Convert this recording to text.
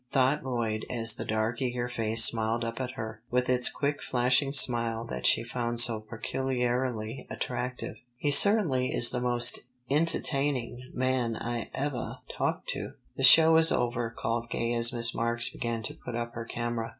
thought Lloyd as the dark eager face smiled up at her, with its quick flashing smile that she found so peculiarly attractive. "He certainly is the most entahtaining man I evah talked to." "The show is over," called Gay as Miss Marks began to put up her camera.